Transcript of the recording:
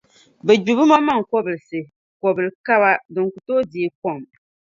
bɛ gbi bɛmaŋmaŋ’ kɔbilisi, kɔbil’ kaba din ku tooi deei kom.